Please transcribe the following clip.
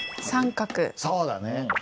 そうだね。